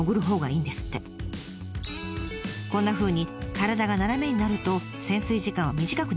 こんなふうに体が斜めになると潜水時間は短くなってしまいます。